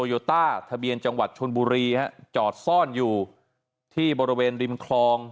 โยต้าทะเบียนจังหวัดชนบุรีฮะจอดซ่อนอยู่ที่บริเวณริมคลอง